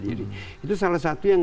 jadi itu salah satu yang